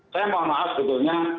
saya mohon maaf sebetulnya